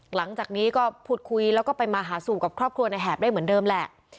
หลังจากนี้ก็พูดคุยแล้วก็ไปมาหาสู่กับครอบครัวในแหบได้เหมือนเดิมแหละ